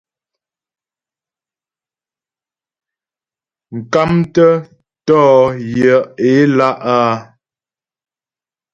Mkámtə́ tɔ̌ yaə̌ ě lá' a.